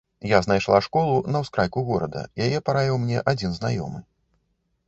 Я знайшла школу на ўскрайку горада, яе параіў мне адзін знаёмы.